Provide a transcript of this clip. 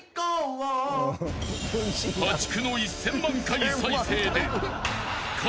［破竹の１，０００万回再生で］